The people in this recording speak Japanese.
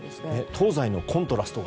東西のコントラストが。